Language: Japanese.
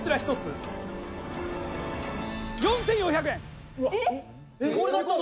４４００円！